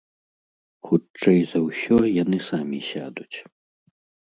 Хутчэй за ўсё, яны самі сядуць.